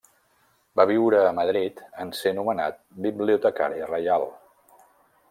Va viure a Madrid en ser nomenat bibliotecari reial.